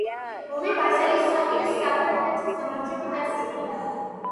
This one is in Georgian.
ომი ბაზელის ზავით და საფრანგეთის გამარჯვებით დასრულდა.